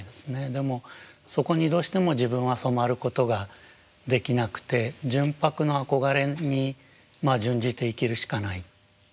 でもそこにどうしても自分は染まることができなくて純白の憧れに殉じて生きるしかない。